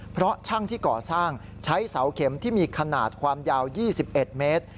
เพราะช่างที่ก่อสร้างใช้เสาเข็มที่มีขนาดความยาว๒๑เมตร